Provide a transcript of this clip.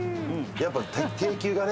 やっぱ定休がね